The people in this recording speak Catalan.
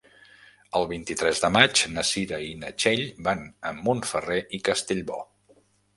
El vint-i-tres de maig na Cira i na Txell van a Montferrer i Castellbò.